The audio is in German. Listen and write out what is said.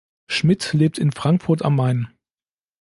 Schmitt lebt in Frankfurt am Main.